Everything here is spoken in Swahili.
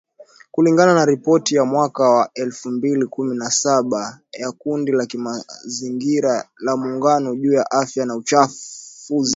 Kulingana na ripoti ya mwaka wa elfu mbili kumi na saba ya kundi la kimazingira la Muungano juu ya Afya na Uchafuzi.